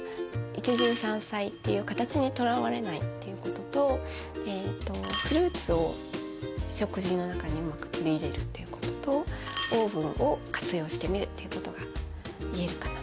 一汁三菜っていう形にとらわれないっていうこととフルーツを食事の中にうまく取り入れるっていうこととオーブンを活用してみるっていうことが言えるかなと思います。